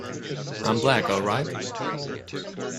I'm black all right.